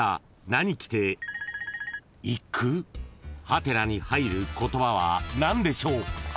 ［ハテナに入る言葉は何でしょう？］